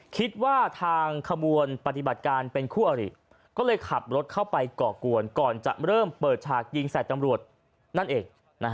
คิดว่าทางขบวนปฏิบัติการเป็นคู่อริก็เลยขับรถเข้าไปก่อกวนก่อนจะเริ่มเปิดฉากยิงใส่ตำรวจนั่นเอง